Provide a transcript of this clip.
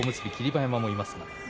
馬山もいます。